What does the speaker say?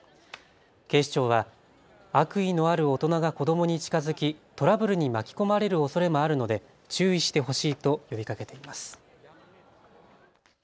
警視庁は悪意のある大人が子どもに近づきトラブルに巻き込まれるおそれもあるので注意してほしいと呼びかけています。